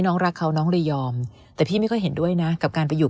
น้องรักเขาน้องเลยยอมแต่พี่ไม่ค่อยเห็นด้วยนะกับการไปอยู่